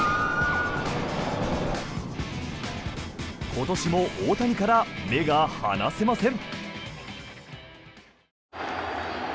今年も大谷から目が離せません。